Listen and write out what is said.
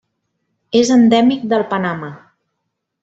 És endèmic del Panamà.